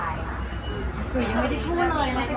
หรือยังไม่ได้พูดเลยแล้วสักที